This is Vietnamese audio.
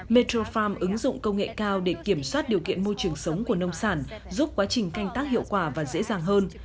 metro farm ứng dụng công nghệ cao để kiểm soát điều kiện môi trường sống của nông sản giúp quá trình canh tác hiệu quả và dễ dàng hơn